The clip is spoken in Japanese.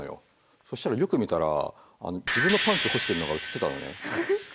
そしたらよく見たら自分のパンツ干してるのが写ってたのね。